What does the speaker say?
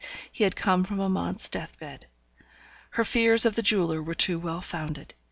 He had come from Amante's death bed. Her fears of the jeweller were too well founded.